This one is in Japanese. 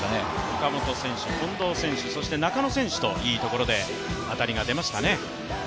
岡本選手、近藤選手、そして中野選手と、いいところで当たりが出ましたね。